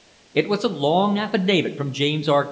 It was a long affidavit from James R.